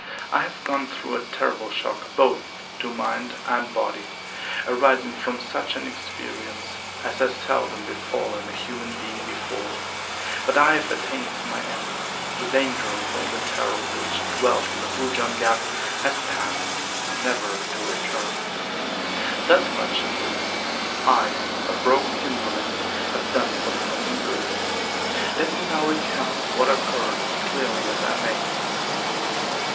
I have gone through a terrible shock both to mind and body, arising from such an experience as has seldom befallen a human being before. But I have attained my end. The danger from the Terror which dwells in the Blue John Gap has passed never to return. Thus much at least I, a broken invalid, have done for the common good. Let me now recount what occurred as clearly as I may.